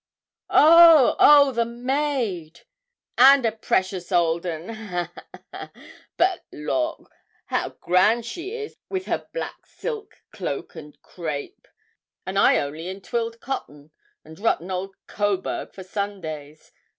'Oh, oh, the maid! and a precious old 'un ha, ha, ha! But lawk! how grand she is, with her black silk, cloak and crape, and I only in twilled cotton, and rotten old Coburg for Sundays.